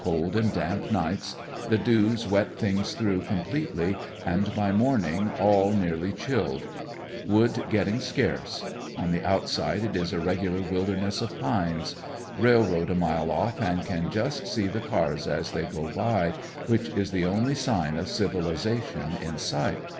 Cold and damp nights. The dews wet things through completely, and by morning all nearly chilled Wood getting scarce. On the outside it is a regular wilderness of pines. Rail road a mile off and can just see the cars as they go by, which is the only sign of civilization in sight.